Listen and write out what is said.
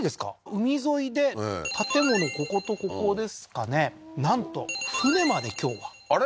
海沿いで建物こことここですかねなんと船まで今日はあれ？